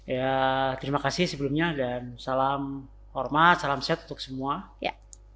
ya terima kasih sebelumnya dan salam hormat salam sehat untuk semua